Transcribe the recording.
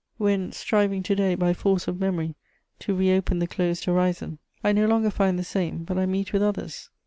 When striving, to day, by force of memory to re open the closed horizon, I no longer find the same, but I meet with others.